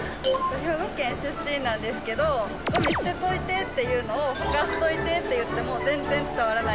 兵庫県出身なんですけど「ゴミ捨てといて」っていうのを「ほかしといて」って言っても全然伝わらないです。